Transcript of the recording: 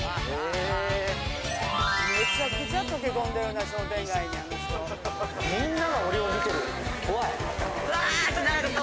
めちゃくちゃ溶け込んでるな商店街にあの人。